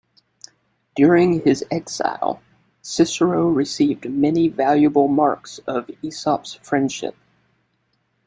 During his exile, Cicero received many valuable marks of Aesopus's friendship.